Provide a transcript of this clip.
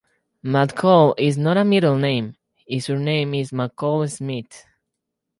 "McCall" is not a middle name: his surname is "McCall Smith".